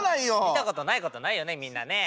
見たことないことないよねみんなね。